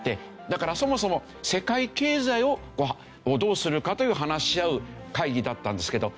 だからそもそも世界経済をどうするかという話し合う会議だったんですけど。